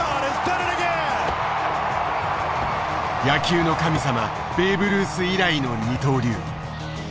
野球の神様ベーブ・ルース以来の二刀流。